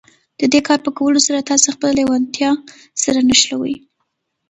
د دې کار په کولو سره تاسې خپله لېوالتیا سره نښلوئ.